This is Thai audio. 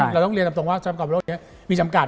เราต้องเรียนตรงว่าทรัพยากรบนี้มีจำกัด